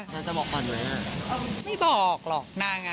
นายจะบอกก่อนเหมือนกัน